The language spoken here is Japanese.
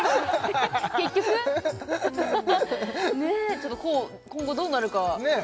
ちょっと今後どうなるかねえ